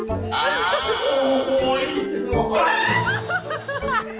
โอ๊ย